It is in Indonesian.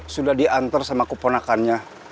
sudah dianter sama keponakannya